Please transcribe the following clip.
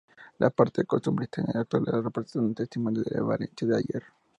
La parte costumbrista en la actualidad representa un testimonio de la Valencia de ayer.